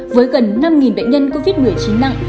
với gần năm bệnh nhân covid một mươi chín nặng